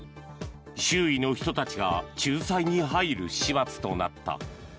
周囲の人たちが仲裁に入る始末となった。